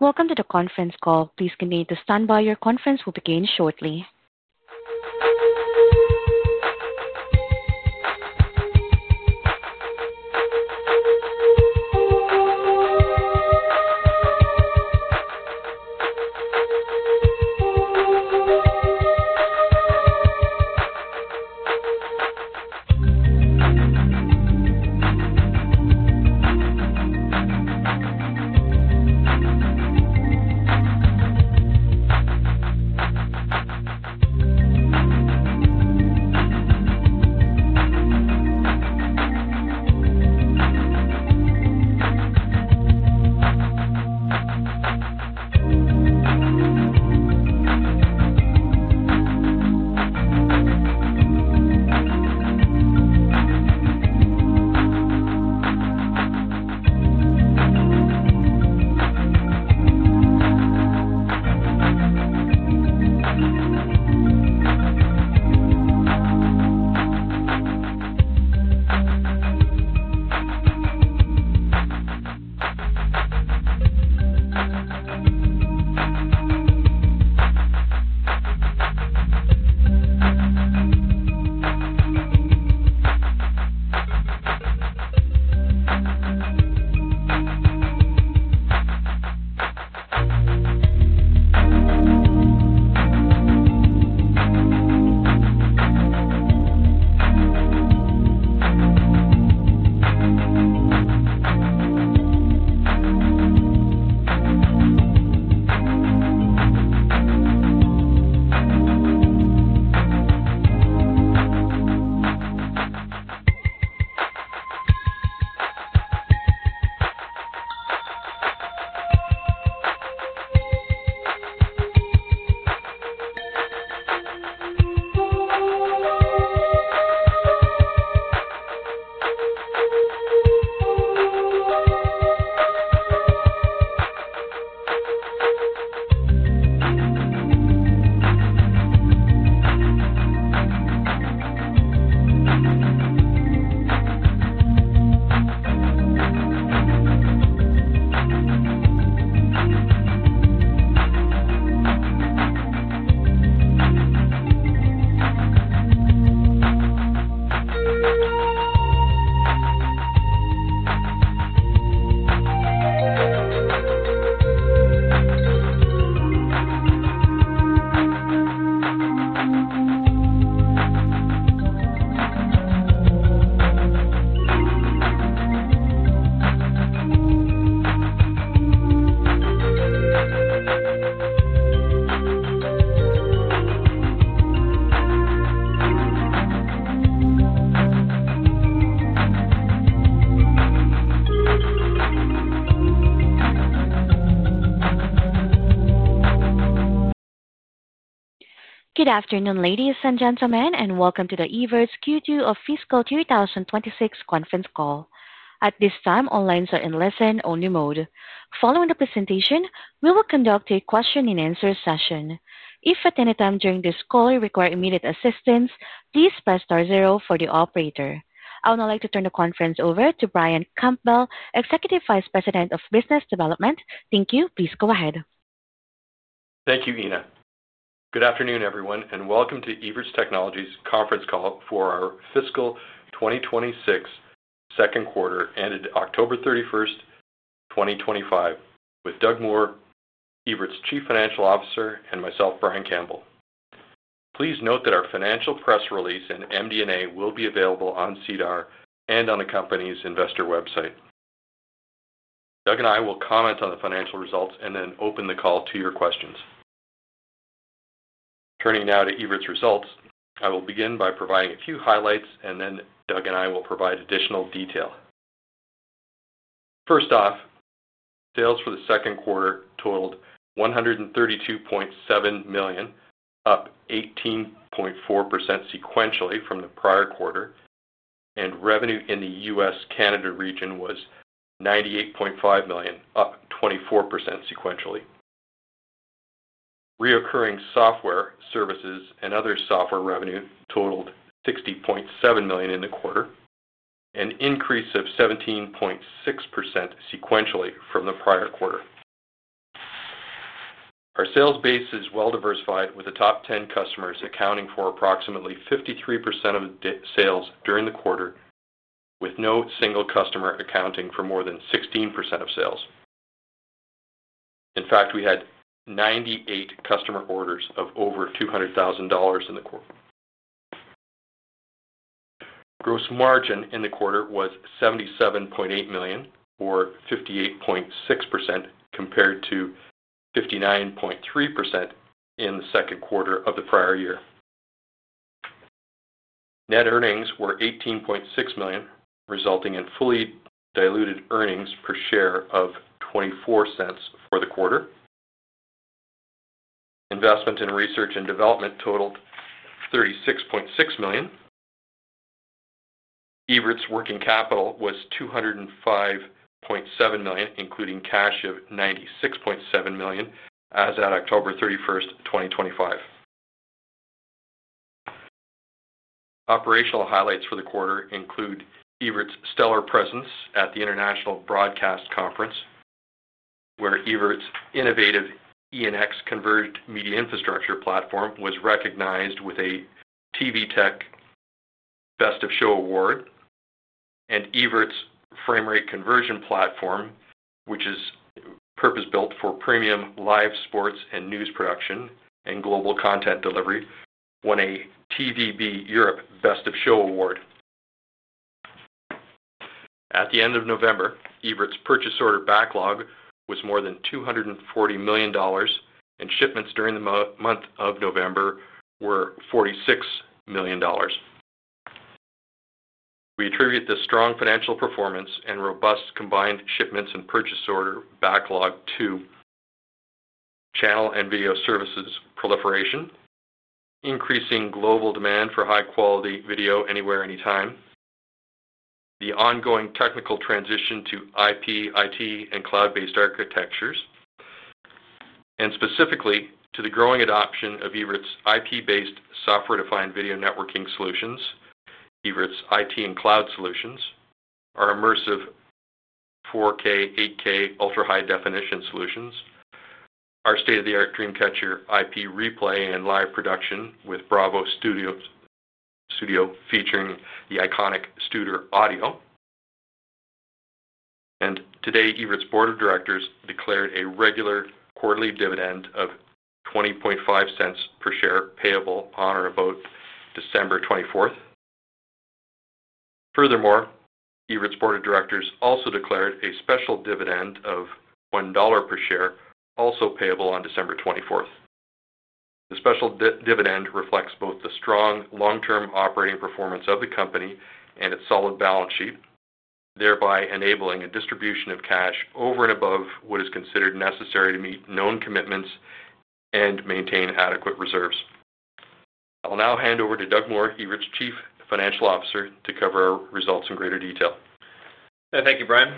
Welcome to the conference call. Please continue to stand by. Your conference will begin shortly. Good afternoon, ladies and gentlemen, and welcome to the Evertz Q2 of Fiscal 2026 conference call. At this time, all lines are in listen-only mode. Following the presentation, we will conduct a question-and-answer session. If at any time during this call you require immediate assistance, please press star zero for the operator. I would now like to turn the conference over to Brian Campbell, Executive Vice President of Business Development. Thank you. Please go ahead. Thank you, Ina. Good afternoon, everyone, and welcome to Evertz Technologies' conference call for our Fiscal 2026 second quarter ended October 31st, 2025, with Doug Moore, Evertz Chief Financial Officer, and myself, Brian Campbell. Please note that our financial press release and MD&A will be available on SEDAR+ and on the company's investor website. Doug and I will comment on the financial results and then open the call to your questions. Turning now to Evertz results, I will begin by providing a few highlights, and then Doug and I will provide additional detail. First off, sales for the second quarter totaled 132.7 million, up 18.4% sequentially from the prior quarter, and revenue in the U.S.-Canada region was 98.5 million, up 24% sequentially. Recurring software services and other software revenue totaled 60.7 million in the quarter, an increase of 17.6% sequentially from the prior quarter. Our sales base is well-diversified, with the top 10 customers accounting for approximately 53% of sales during the quarter, with no single customer accounting for more than 16% of sales. In fact, we had 98 customer orders of over 200,000 dollars in the quarter. Gross margin in the quarter was 77.8 million, or 58.6%, compared to 59.3% in the second quarter of the prior year. Net earnings were 18.6 million, resulting in fully diluted earnings per share of 0.24 for the quarter. Investment in research and development totaled 36.6 million. Evertz working capital was 205.7 million, including cash of 96.7 million, as at October 31st, 2025. Operational highlights for the quarter include Evertz's stellar presence at the International Broadcast Convention, where Evertz's innovative NEXX converged media infrastructure platform was recognized with a TV Tech Best of Show award, and Evertz's frame rate conversion platform, which is purpose-built for premium live sports and news production and global content delivery, won a TVBEurope Best of Show award. At the end of November, Evertz's purchase order backlog was more than 240 million dollars, and shipments during the month of November were 46 million dollars. We attribute the strong financial performance and robust combined shipments and purchase order backlog to channel and video services proliferation, increasing global demand for high-quality video anywhere, anytime, the ongoing technical transition to IP, IT, and cloud-based architectures, and specifically to the growing adoption of Evertz's IP-based software-defined video networking solutions, Evertz's IT and cloud solutions, our immersive 4K, 8K, ultra-high-definition solutions, our state-of-the-art DreamCatcher IP replay and live production with BRAVO Studio featuring the iconic Studer audio. And today, Evertz's Board of Directors declared a regular quarterly dividend of 0.205 per share payable on or about December 24th. Furthermore, Evertz's Board of Directors also declared a special dividend of 1 dollar per share, also payable on December 24th. The special dividend reflects both the strong long-term operating performance of the company and its solid balance sheet, thereby enabling a distribution of cash over and above what is considered necessary to meet known commitments and maintain adequate reserves. I'll now hand over to Doug Moore, Evertz's Chief Financial Officer, to cover our results in greater detail. Thank you, Brian.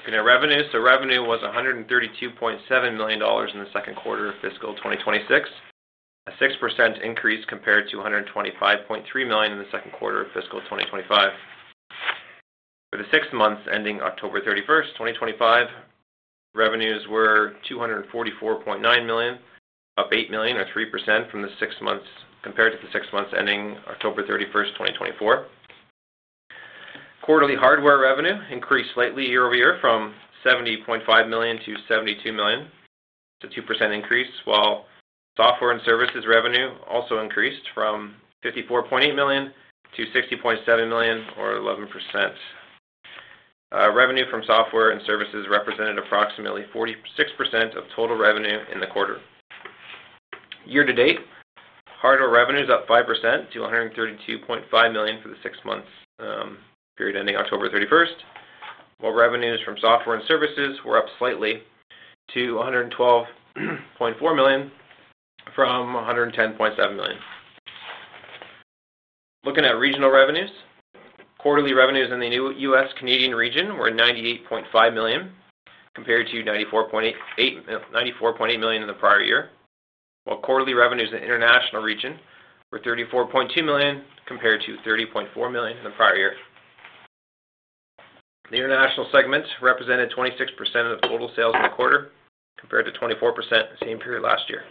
Looking at revenues, so revenue was 132.7 million dollars in the second quarter of Fiscal 2026, a 6% increase compared to 125.3 million in the second quarter of Fiscal 2025. For the six months ending October 31st, 2025, revenues were 244.9 million, up 8 million, or 3% from the six months compared to the six months ending October 31st, 2024. Quarterly hardware revenue increased slightly year over year from 70.5 million to 72 million, a 2% increase, while software and services revenue also increased from 54.8 million to 60.7 million, or 11%. Revenue from software and services represented approximately 46% of total revenue in the quarter. Year-to-date, hardware revenues up 5% to 132.5 million for the six months period ending October 31st, while revenues from software and services were up slightly to 112.4 million from 110.7 million. Looking at regional revenues, quarterly revenues in the U.S.-Canadian region were 98.5 million compared to 94.8 million in the prior year, while quarterly revenues in the international region were 34.2 million compared to 30.4 million in the prior year. The international segment represented 26% of total sales in the quarter compared to 24% the same period last year.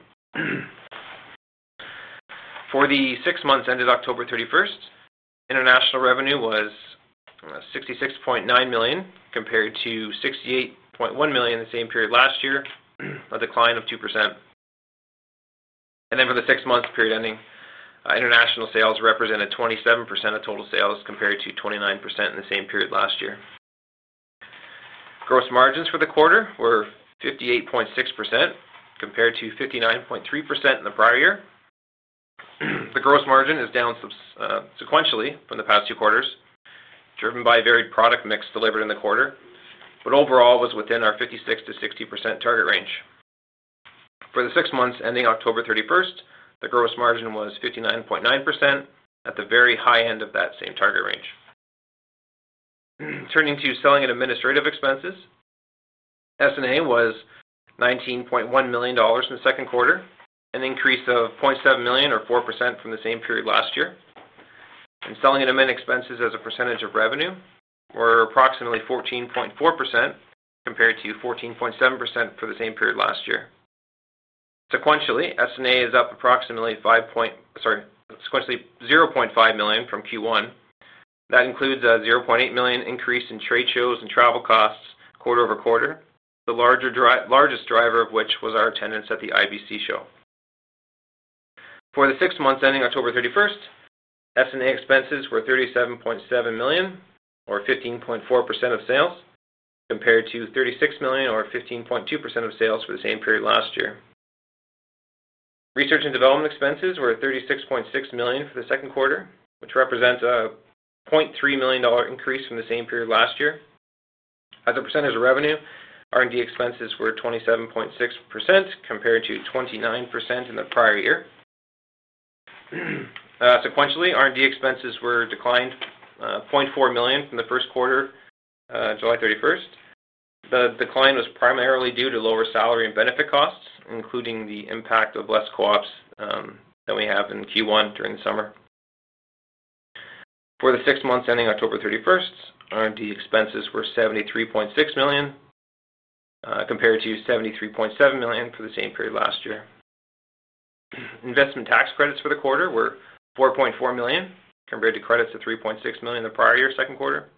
For the six months ended October 31st, international revenue was 66.9 million compared to 68.1 million the same period last year, a decline of 2%, and then for the six months period ending, international sales represented 27% of total sales compared to 29% in the same period last year. Gross margins for the quarter were 58.6% compared to 59.3% in the prior year. The gross margin is down sequentially from the past two quarters, driven by varied product mix delivered in the quarter, but overall was within our 56%-60% target range. For the six months ending October 31st, the gross margin was 59.9% at the very high end of that same target range. Turning to selling and administrative expenses, S&A was 19.1 million dollars in the second quarter, an increase of 0.7 million, or 4% from the same period last year. And selling and admin expenses as a percentage of revenue were approximately 14.4% compared to 14.7% for the same period last year. Sequentially, S&A is up approximately 0.5 million from Q1. That includes a 0.8 million increase in trade shows and travel costs quarter-over-quarter, the largest driver of which was our attendance at the IBC show. For the six months ending October 31st, S&A expenses were 37.7 million, or 15.4% of sales, compared to 36 million, or 15.2% of sales for the same period last year. Research and development expenses were 36.6 million for the second quarter, which represents a 0.3 million dollar increase from the same period last year. As a percentage of revenue, R&D expenses were 27.6% compared to 29% in the prior year. Sequentially, R&D expenses were declined 0.4 million from the first quarter, July 31st. The decline was primarily due to lower salary and benefit costs, including the impact of less co-ops that we have in Q1 during the summer. For the six months ending October 31st, R&D expenses were 73.6 million, compared to 73.7 million for the same period last year. Investment tax credits for the quarter were 4.4 million, compared to credits of 3.6 million the prior year second quarter.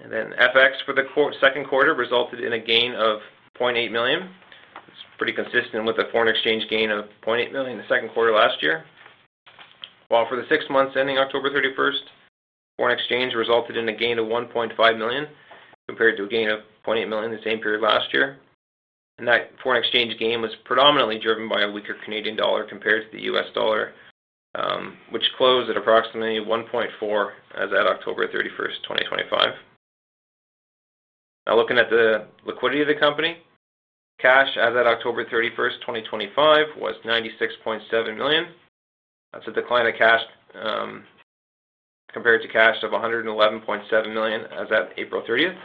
And then FX for the second quarter resulted in a gain of 0.8 million. It's pretty consistent with a foreign exchange gain of 0.8 million the second quarter last year. While for the six months ending October 31st, foreign exchange resulted in a gain of 1.5 million compared to a gain of 0.8 million the same period last year. And that foreign exchange gain was predominantly driven by a weaker Canadian dollar compared to the U.S. dollar, which closed at approximately 1.4 as at October 31st, 2025. Now, looking at the liquidity of the company, cash as at October 31st, 2025, was 96.7 million. That's a decline of cash compared to cash of 111.7 million as at April 30th.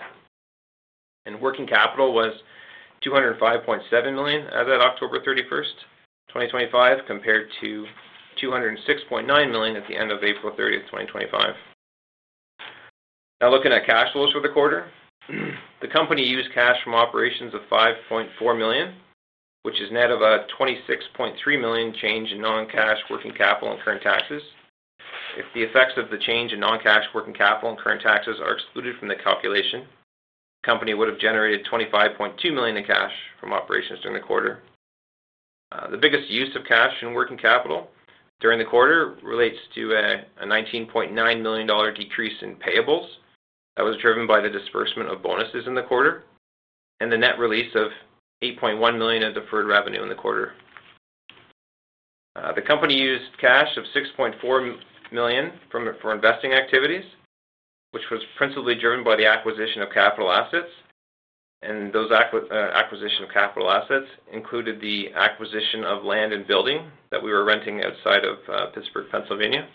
And working capital was 205.7 million as at October 31st, 2025, compared to 206.9 million at the end of April 30th, 2025. Now, looking at cash flows for the quarter, the company used cash from operations of 5.4 million, which is net of a 26.3 million change in non-cash working capital and current taxes. If the effects of the change in non-cash working capital and current taxes are excluded from the calculation, the company would have generated 25.2 million in cash from operations during the quarter. The biggest use of cash and working capital during the quarter relates to a 19.9 million dollar decrease in payables that was driven by the disbursement of bonuses in the quarter and the net release of 8.1 million in deferred revenue in the quarter. The company used cash of 6.4 million for investing activities, which was principally driven by the acquisition of capital assets, and those acquisitions of capital assets included the acquisition of land and building that we were renting outside of Pittsburgh, Pennsylvania.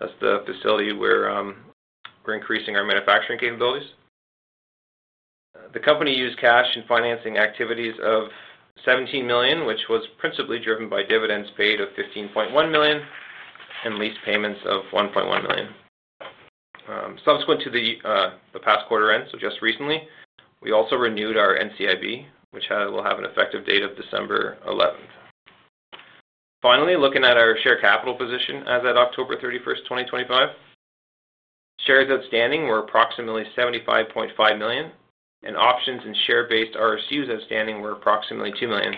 That's the facility where we're increasing our manufacturing capabilities. The company used cash in financing activities of 17 million, which was principally driven by dividends paid of 15.1 million and lease payments of 1.1 million. Subsequent to the past quarter end, so just recently, we also renewed our NCIB, which will have an effective date of December 11th. Finally, looking at our share capital position as at October 31st, 2025, shares outstanding were approximately 75.5 million, and options and share-based RSUs outstanding were approximately 2 million.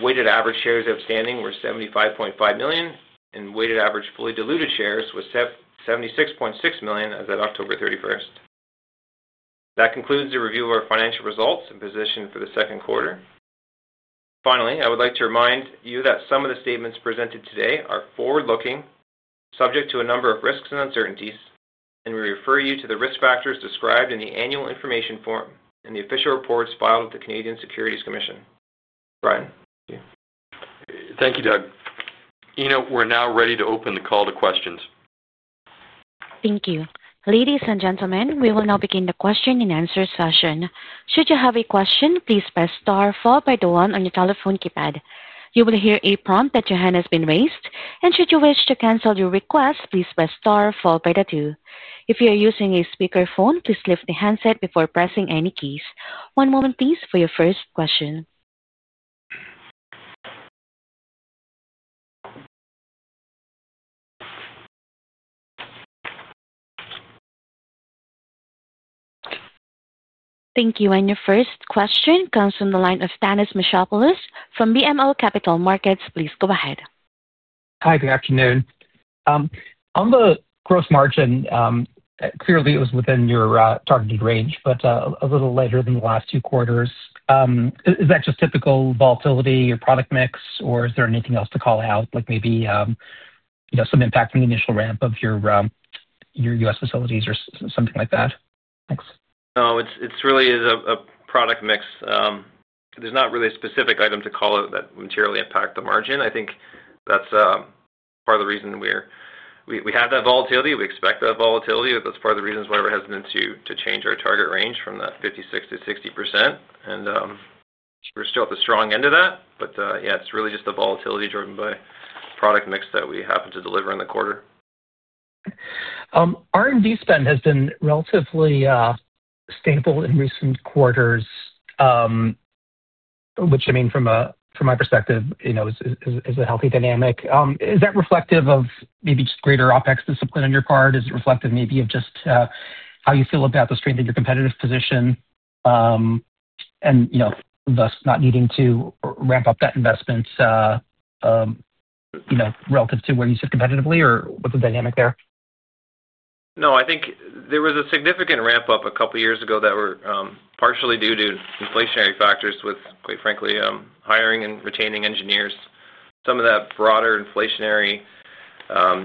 Weighted average shares outstanding were 75.5 million, and weighted average fully diluted shares was 76.6 million as at October 31st. That concludes the review of our financial results and position for the second quarter. Finally, I would like to remind you that some of the statements presented today are forward-looking, subject to a number of risks and uncertainties, and we refer you to the risk factors described in the annual information form and the official reports filed with the Canadian Securities Administrators. Brian, thank you. Thank you, Doug. You know we're now ready to open the call to questions. Thank you. Ladies and gentlemen, we will now begin the question and answer session. Should you have a question, please press star followed by the one on your telephone keypad. You will hear a prompt that your hand has been raised, and should you wish to cancel your request, please press star followed by the two. If you are using a speakerphone, please lift the handset before pressing any keys. One moment, please, for your first question. Thank you, and your first question comes from the line of Thanos Moschopoulos from BMO Capital Markets. Please go ahead. Hi, good afternoon. On the gross margin, clearly it was within your targeted range, but a little later than the last two quarters. Is that just typical volatility or product mix, or is there anything else to call out, like maybe some impact from the initial ramp of your U.S. facilities or something like that? Thanks. No, it really is a product mix. There's not really a specific item to call out that materially impact the margin. I think that's part of the reason we have that volatility. We expect that volatility. That's part of the reasons why we're hesitant to change our target range from that 56%-60%. And we're still at the strong end of that, but yeah, it's really just the volatility driven by product mix that we happen to deliver in the quarter. R&D spend has been relatively stable in recent quarters, which I mean, from my perspective, is a healthy dynamic. Is that reflective of maybe just greater OpEx discipline on your part? Is it reflective maybe of just how you feel about the strength of your competitive position and thus not needing to ramp up that investment relative to where you sit competitively, or what's the dynamic there? No, I think there was a significant ramp-up a couple of years ago that were partially due to inflationary factors with, quite frankly, hiring and retaining engineers. Some of that broader inflationary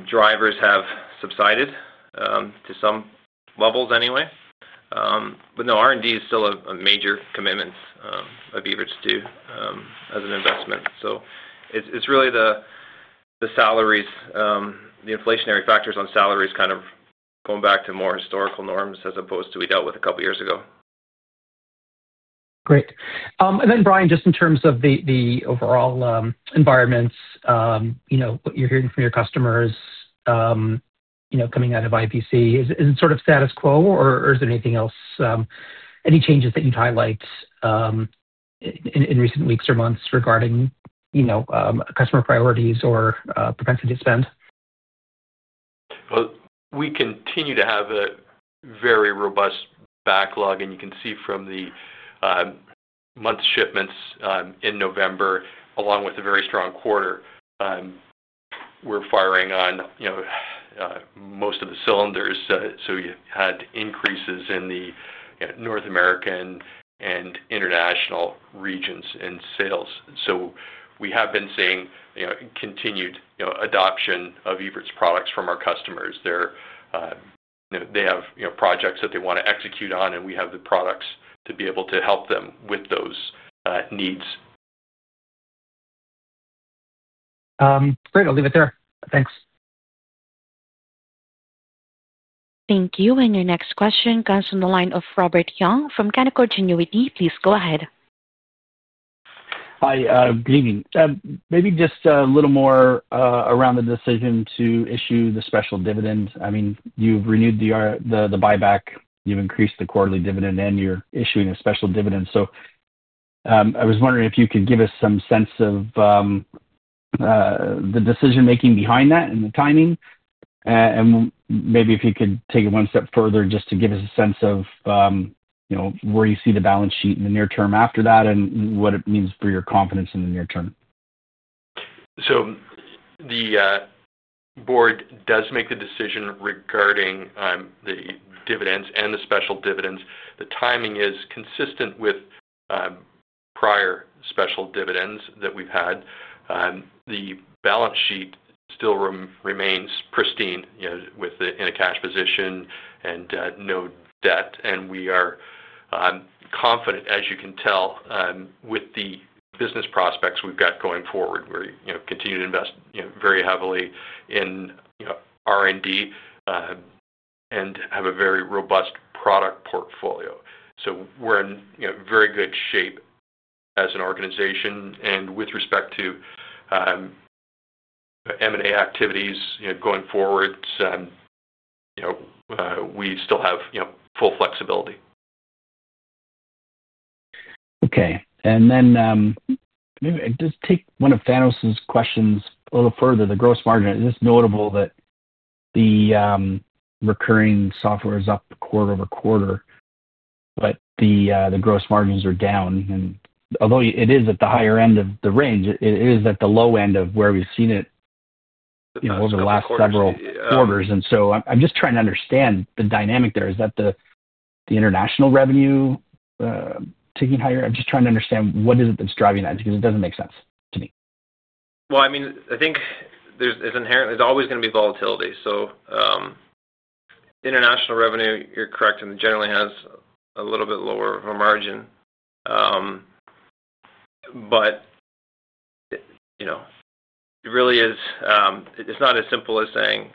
drivers have subsided to some levels anyway. But no, R&D is still a major commitment of Evertz to as an investment. So it's really the inflationary factors on salaries kind of going back to more historical norms as opposed to we dealt with a couple of years ago. Great. And then, Brian, just in terms of the overall environments, what you're hearing from your customers coming out of IBC, is it sort of status quo, or is there anything else, any changes that you'd highlight in recent weeks or months regarding customer priorities or propensity to spend? We continue to have a very robust backlog, and you can see from the month's shipments in November, along with a very strong quarter, we're firing on most of the cylinders. You had increases in the North American and international regions in sales. We have been seeing continued adoption of Evertz products from our customers. They have projects that they want to execute on, and we have the products to be able to help them with those needs. Great. I'll leave it there. Thanks. Thank you. And your next question comes from the line of Robert Young from Canaccord Genuity. Please go ahead. Hi, good evening. Maybe just a little more around the decision to issue the special dividend. I mean, you've renewed the buyback, you've increased the quarterly dividend, and you're issuing a special dividend. So I was wondering if you could give us some sense of the decision-making behind that and the timing. And maybe if you could take it one step further just to give us a sense of where you see the balance sheet in the near term after that and what it means for your confidence in the near term. So the Board does make the decision regarding the dividends and the special dividends. The timing is consistent with prior special dividends that we've had. The balance sheet still remains pristine in a cash position and no debt. And we are confident, as you can tell, with the business prospects we've got going forward. We're continuing to invest very heavily in R&D and have a very robust product portfolio. So we're in very good shape as an organization. And with respect to M&A activities going forward, we still have full flexibility. Okay. And then just take one of Thanos's questions a little further. The gross margin, it is notable that the recurring software is up quarter-over-quarter, but the gross margins are down. And although it is at the higher end of the range, it is at the low end of where we've seen it over the last several quarters. And so I'm just trying to understand the dynamic there. Is that the international revenue taking higher? I'm just trying to understand what is it that's driving that because it doesn't make sense to me. Well, I mean, I think there's always going to be volatility. So international revenue, you're correct, generally has a little bit lower of a margin. But it really is not as simple as saying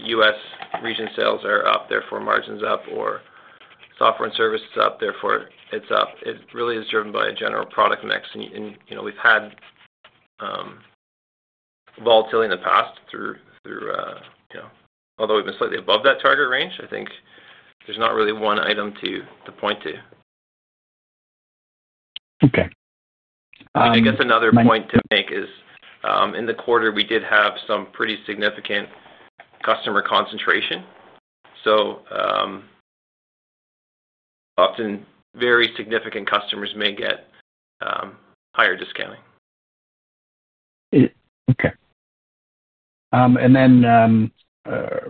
U.S. region sales are up, therefore margin's up, or software and service is up, therefore it's up. It really is driven by a general product mix. And we've had volatility in the past through, although we've been slightly above that target range, I think there's not really one item to point to. Okay. I guess another point to make is in the quarter, we did have some pretty significant customer concentration. So often very significant customers may get higher discounting. Okay. And then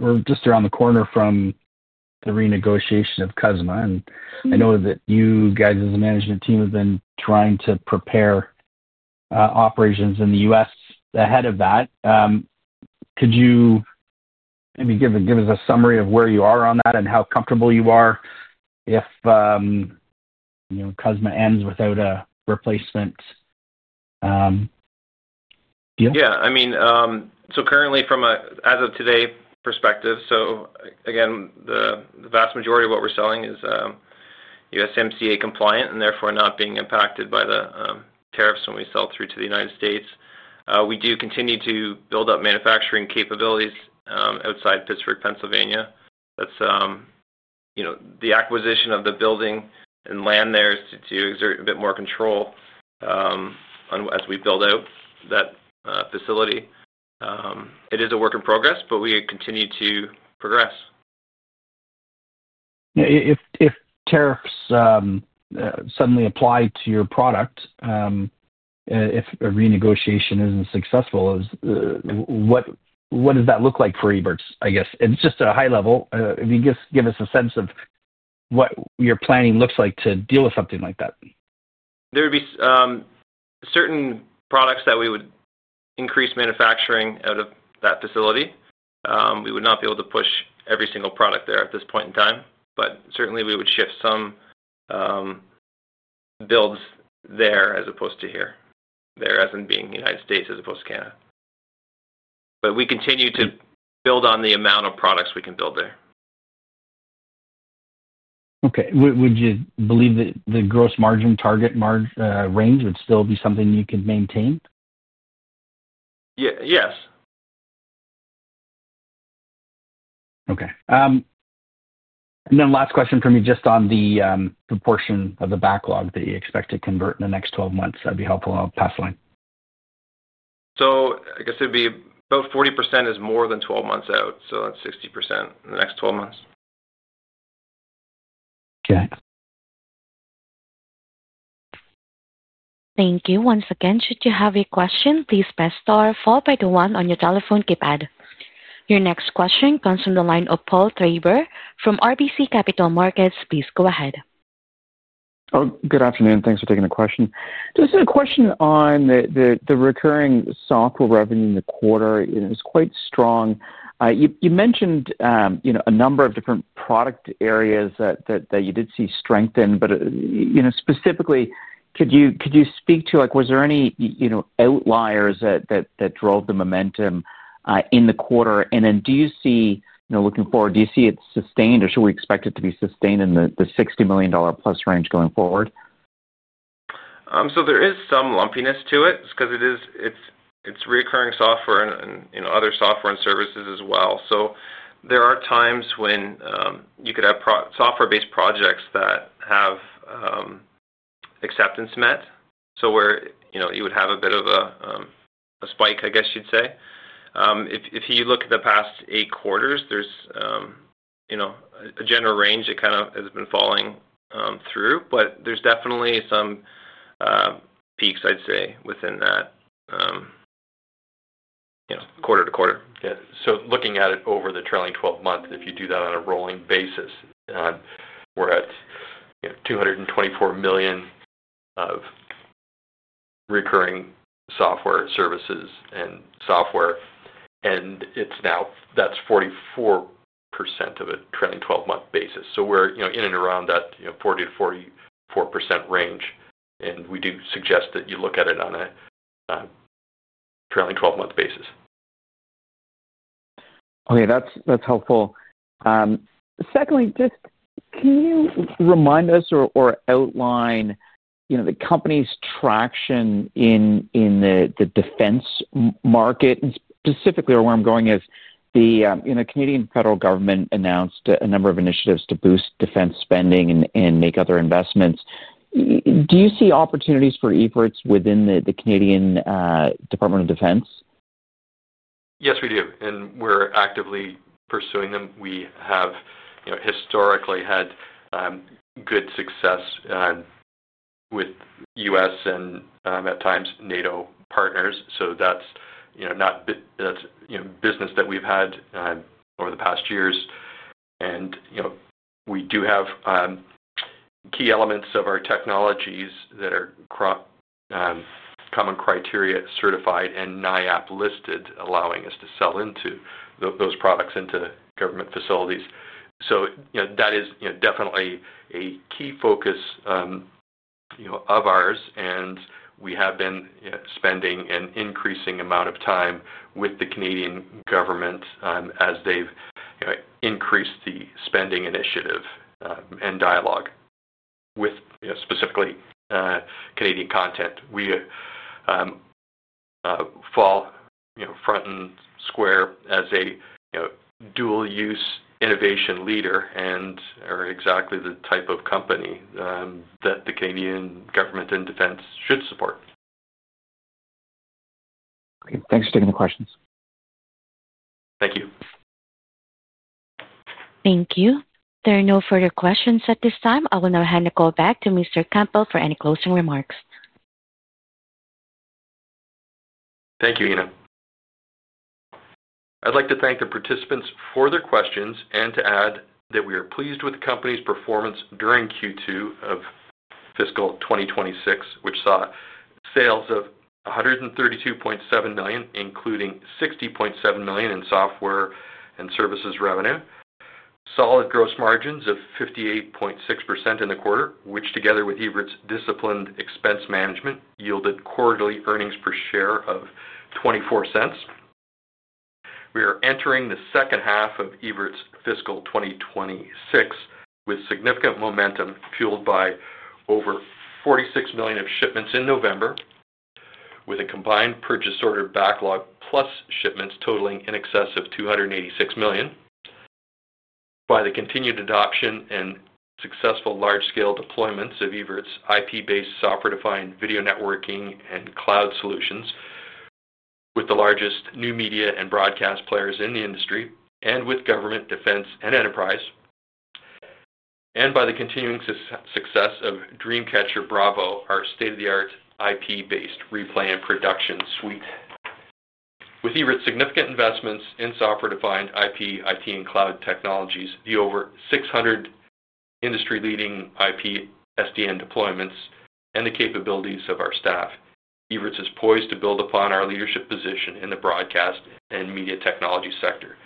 we're just around the corner from the renegotiation of CUSMA. And I know that you guys as a management team have been trying to prepare operations in the U.S. ahead of that. Could you maybe give us a summary of where you are on that and how comfortable you are if CUSMA ends without a replacement deal? Yeah. I mean, so currently, from an as of today perspective, so again, the vast majority of what we're selling is USMCA compliant and therefore not being impacted by the tariffs when we sell through to the United States. We do continue to build up manufacturing capabilities outside Pittsburgh, Pennsylvania. That's the acquisition of the building and land there is to exert a bit more control as we build out that facility. It is a work in progress, but we continue to progress. If tariffs suddenly apply to your product, if a renegotiation isn't successful, what does that look like for Evertz, I guess? And just at a high level, if you just give us a sense of what your planning looks like to deal with something like that? There would be certain products that we would increase manufacturing out of that facility. We would not be able to push every single product there at this point in time, but certainly we would shift some builds there as opposed to here, there as in being United States as opposed to Canada, but we continue to build on the amount of products we can build there. Okay. Would you believe that the gross margin target range would still be something you could maintain? Yes. Okay. And then last question from you just on the proportion of the backlog that you expect to convert in the next 12 months. That'd be helpful. I'll pass the line. So, I guess it'd be about 40% more than 12 months out. So that's 60% in the next 12 months. Okay. Thank you. Once again, should you have a question, please press star followed by the one on your telephone keypad. Your next question comes from the line of Paul Treiber from RBC Capital Markets. Please go ahead. Oh, good afternoon. Thanks for taking the question. Just a question on the recurring software revenue in the quarter. It was quite strong. You mentioned a number of different product areas that you did see strengthen, but specifically, could you speak to was there any outliers that drove the momentum in the quarter? And then do you see, looking forward, do you see it sustained, or should we expect it to be sustained in the $60 million-plus range going forward? So there is some lumpiness to it because it's recurring software and other software and services as well. So there are times when you could have software-based projects that have acceptance met, so where you would have a bit of a spike, I guess you'd say. If you look at the past eight quarters, there's a general range that kind of has been falling through, but there's definitely some peaks, I'd say, within that quarter to quarter. Yeah. So looking at it over the trailing 12 months, if you do that on a rolling basis, we're at 224 million of recurring software services and software, and it's now that's 44% of a trailing 12-month basis. So we're in and around that 40%-44% range, and we do suggest that you look at it on a trailing 12-month basis. Okay. That's helpful. Secondly, just can you remind us or outline the company's traction in the defense market? And specifically, where I'm going is the Canadian federal government announced a number of initiatives to boost defense spending and make other investments. Do you see opportunities for Evertz within the Department of National Defence? Yes, we do. And we're actively pursuing them. We have historically had good success with U.S. and at times NATO partners. So that's business that we've had over the past years. And we do have key elements of our technologies that are Common Criteria certified and NIAP listed, allowing us to sell those products into government facilities. So that is definitely a key focus of ours. And we have been spending an increasing amount of time with the Canadian government as they've increased the spending initiative and dialogue with specifically Canadian content. We fit front and square as a dual-use innovation leader and are exactly the type of company that the Canadian government and defense should support. Great. Thanks for taking the questions. Thank you. Thank you. There are no further questions at this time. I will now hand the call back to Mr. Campbell for any closing remarks. Thank you, Ina. I'd like to thank the participants for their questions and to add that we are pleased with the company's performance during Q2 of Fiscal 2026, which saw sales of 132.7 million, including 60.7 million in software and services revenue, solid gross margins of 58.6% in the quarter, which together with Evertz's disciplined expense management yielded quarterly earnings per share of 0.24. We are entering the second half of Evertz's Fiscal 2026 with significant momentum fueled by over 46 million of shipments in November, with a combined purchase order backlog plus shipments totaling in excess of 286 million. By the continued adoption and successful large-scale deployments of Evertz's IP-based software-defined video networking and cloud solutions, with the largest new media and broadcast players in the industry, and with government, defense, and enterprise, and by the continuing success of DreamCatcher BRAVO, our state-of-the-art IP-based replay and production suite. With Evertz's significant investments in software-defined IP, IT, and cloud technologies, the over 600 industry-leading IP SDN deployments, and the capabilities of our staff, Evertz is poised to build upon our leadership position in the broadcast and media technology sector.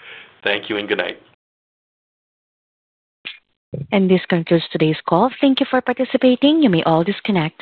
Thank you and good night. This concludes today's call. Thank you for participating. You may all disconnect.